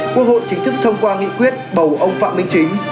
quốc hội chính thức thông qua nghị quyết bầu ông phạm minh chính